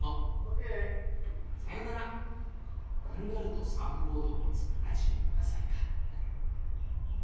軽々とサーフボードを持つ７７歳か。